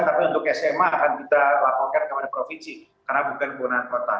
tapi untuk sma akan kita laporkan kepada provinsi karena bukan kebohonan kota